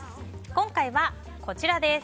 今回はこちらです。